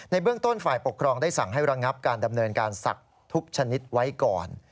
เบื้องต้นฝ่ายปกครองได้สั่งให้ระงับการดำเนินการศักดิ์ทุกชนิดไว้ก่อน